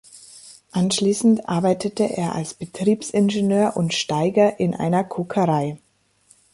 Anschließend arbeitete er als Betriebsingenieur und Steiger in einer Kokerei.